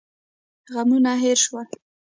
غمونه هېر شول.